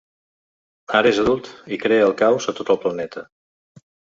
Ara és adult i crea el caos a tot el planeta.